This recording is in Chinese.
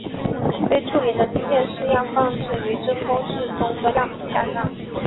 被处理的晶片试样放置于真空室中的样品架上。